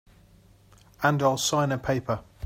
And I'll sign a paper.